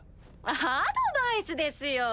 アドバイスですよ。